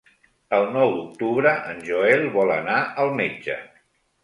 El nou d'octubre en Joel vol anar al metge.